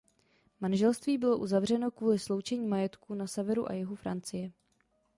Manželství bylo uzavřeno kvůli sloučení majetků na severu a jihu Francie.